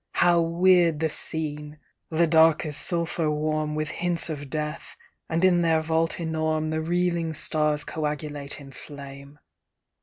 How weird the scene! The Dark is sulphur warm With hints of death; and in their vault enorme The reeling stars coagulate in flame.